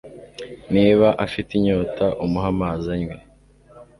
niba afite inyota umuhe amazi anywe